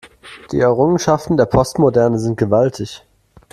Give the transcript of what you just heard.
Die Errungenschaften der Postmoderne sind gewaltig.